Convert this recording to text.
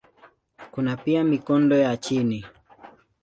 Kuna pia mikondo ya chini.